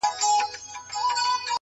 بل به څوك وي زما په شان داسي غښتلى.!